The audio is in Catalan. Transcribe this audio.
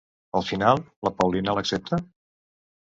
Al final, la Paulina l'accepta?